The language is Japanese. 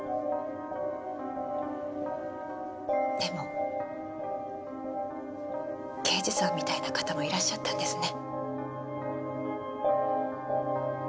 でも刑事さんみたいな方もいらっしゃったんですね。